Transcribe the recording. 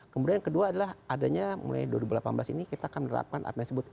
kemudian yang kedua adalah adanya mulai dua ribu delapan belas ini kita akan menerapkan apa yang disebut